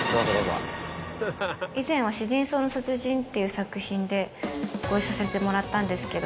以前は『屍人荘の殺人』っていう作品でご一緒させてもらったんですけど。